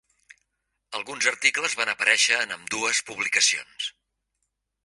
Alguns articles van aparèixer en ambdues publicacions.